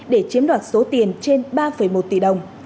để chiếm đoạt số tiền trên ba một tỷ đồng